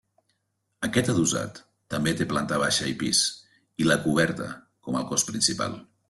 Aquest adossat, també té planta baixa i pis, i la coberta com el cos principal.